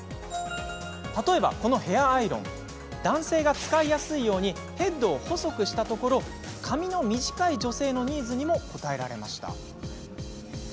例えば、このヘアアイロン男性が使いやすいようにヘッドを細くしたところ髪の短い女性のニーズにも応えられました。